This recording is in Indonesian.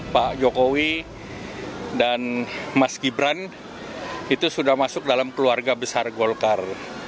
pak jokowi dan mas gibran itu sudah masuk dalam keluarga besar golkar